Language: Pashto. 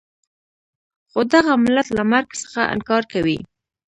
خو دغه ملت له مرګ څخه انکار کوي.